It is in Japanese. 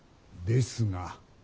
ですが